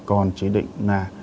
còn chế định là